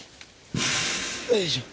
よいしょ。